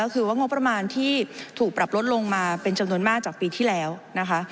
ก็คือว่างบประมาณที่ถูกปรับลดลงมาเป็นจำนวนมากจากปีที่แล้วนะคะ